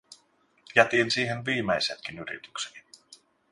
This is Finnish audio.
Jätin siihen viimeisetkin yritykseni.